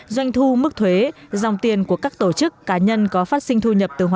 doanh thu mức thuế dòng tiền của các tổ chức cá nhân có phát sinh thu nhập